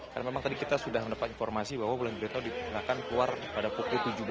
karena memang tadi kita sudah mendapat informasi bahwa wulan guritno akan keluar pada pukul tujuh belas